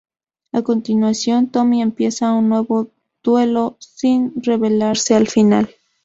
A continuación Tommy empieza un nuevo duelo sin revelarse el final.